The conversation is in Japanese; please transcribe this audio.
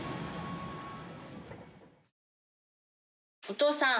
お父さん。